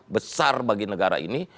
besar bagi negara ini